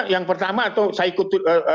yang pertama atau saya ikut